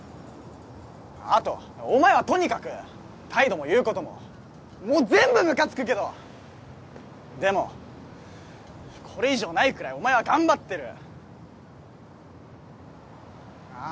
あとお前はとにかく態度も言うことも全部ムカつくけどでもこれ以上ないくらいお前は頑張ってるあ